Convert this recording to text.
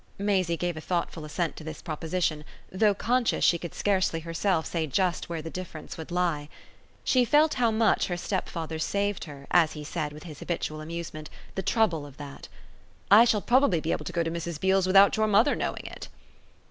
Maisie gave a thoughtful assent to this proposition, though conscious she could scarcely herself say just where the difference would lie. She felt how much her stepfather saved her, as he said with his habitual amusement, the trouble of that. "I shall probably be able to go to Mrs. Beale's without your mother's knowing it."